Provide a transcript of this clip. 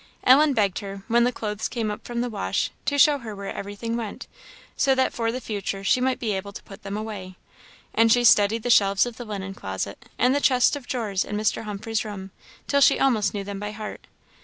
Ellen begged her, when the clothes came up from the wash, to show her where everything went, so that for the future she might be able to put them away; and she studied the shelves of the linen closet, and the chests of drawers in Mr. Humphreys' room, till she almost knew them by heart.